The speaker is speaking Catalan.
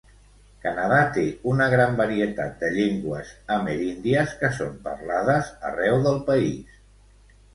Canadà té una gran varietat de llengües ameríndies que són parlades arreu del país.